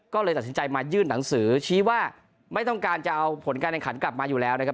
ก็เลยตัดสินใจมายื่นหนังสือชี้ว่าไม่ต้องการจะเอาผลการแข่งขันกลับมาอยู่แล้วนะครับ